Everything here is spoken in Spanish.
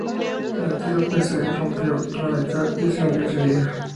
El Antelope se rompió por la mitad y se hundió ese día.